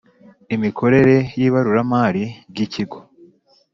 Imikorere y ‘ibaruramari ry ‘ikigo .